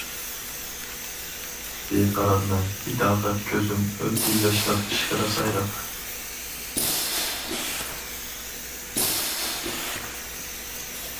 بىقارارمەن بىتاقەت كۆزۈم ئۆتتى ياشلىق ئىشقىدا سايراپ.